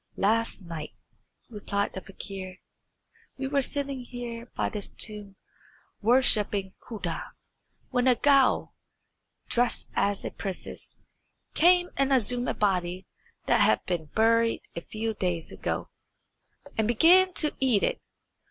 "Last night," replied the fakir, "we were sitting here by this tomb worshipping Khuda, when a ghoul, dressed as a princess, came and exhumed a body that had been buried a few days ago, and began to eat it.